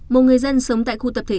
một người dân sống tại khu tập thể